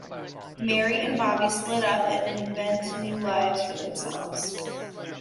Mary and Bobby split up and invent new lives for themselves.